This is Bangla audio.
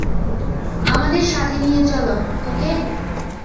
আমাদের সাথে নিয়ে চলো, ওকে?